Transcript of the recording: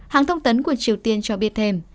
hãng thông tấn của triều tiên cho biết thêm